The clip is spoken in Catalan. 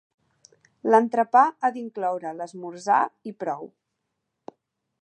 L'entrepà ha d'incloure l'esmorzar i prou.